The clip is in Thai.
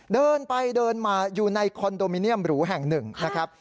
เดินไปเดินมาอยู่ในคอนโดมิเนียมหรูแห่งหนึ่งนะครับ